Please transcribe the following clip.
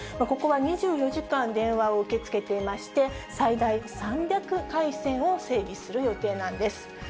ここは２４時間電話を受け付けていまして、最大３００回線を整備する予定なんです。